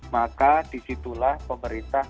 maka di situlah pemerintah